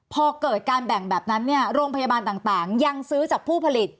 พอเกิดการแบ่งแบบนั้นเนี่ยโรงพยาบาลต่างยังซื้อจากผู้ผลิต